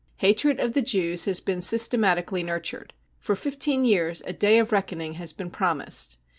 Hatred of the Jews has been systematically nurtured. For fifteen years a cc day of reckoning 55 has been promised.